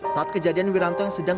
saat kejadian wiranto yang sedang